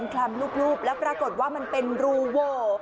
คลำรูปแล้วปรากฏว่ามันเป็นรูโว่